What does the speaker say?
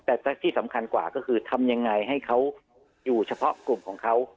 แต่ที่สำคัญกว่าก็คือทำยังไงให้เขาอยู่เฉพาะกลุ่มของเขา